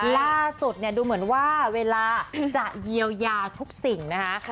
ล่าสุดเนี่ยดูเหมือนว่าเวลาจะเยียวยาทุกสิ่งนะคะ